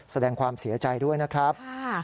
แสดงความเสียใจด้วยนะครับ